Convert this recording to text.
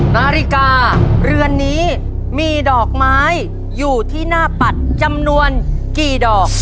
นาฬิกาเรือนนี้มีดอกไม้อยู่ที่หน้าปัดจำนวนกี่ดอก